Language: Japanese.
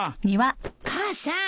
母さん。